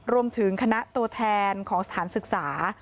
รวมถึงคณะตัวแทนของสถานศึกษา